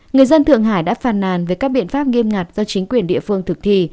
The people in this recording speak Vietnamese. người dân thượng hải đã phàn nàn về các biện pháp nghiêm ngặt do chính quyền địa phương thực thi